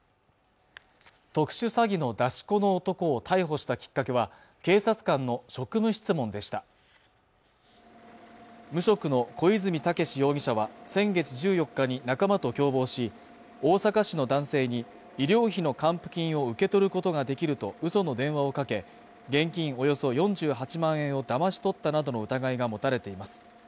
特殊詐欺の出し子の男を逮捕したきっかけは警察官の職務質問でした無職の小出水武志容疑者は先月１４日に仲間と共謀し大阪市の男性に医療費の還付金を受け取ることができると嘘の電話をかけ現金およそ４８万円をだまし取ったなどの疑いが持たれています